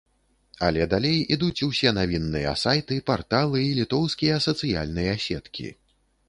Але далей ідуць усе навінныя сайты, парталы і літоўскія сацыяльныя сеткі.